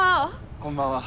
こんばんは。